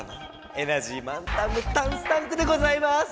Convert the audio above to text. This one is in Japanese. エナジー満タンのタンスタンクでございます！